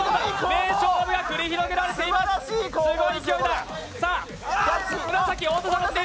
名勝負が繰り広げられています、すごい勢いだ。